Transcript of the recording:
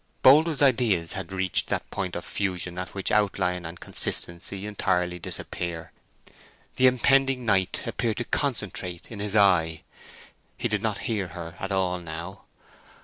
Boldwood's ideas had reached that point of fusion at which outline and consistency entirely disappear. The impending night appeared to concentrate in his eye. He did not hear her at all now.